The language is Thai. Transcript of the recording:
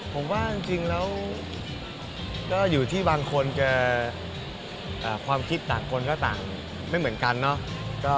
ผมว่าจริงแล้วก็อยู่ที่บางคนความคิดต่างคนก็ต่างไม่เหมือนกันเนาะ